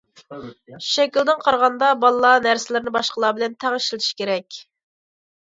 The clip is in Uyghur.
شەكىلدىن قارىغاندا، بالىلار نەرسىلىرىنى باشقىلار بىلەن تەڭ ئىشلىتىشى كېرەك.